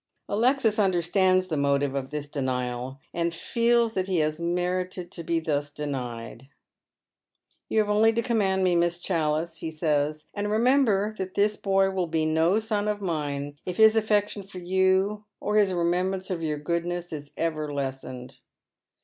Alexis understands the motive of this denial, and feels that hs has merited to be thus denied. " You have only to command me, Miss Cliallice," he says, •' and remember that this boy will be no son of mine if his affection for you, or his remembrance of your goodness, is ever lessened."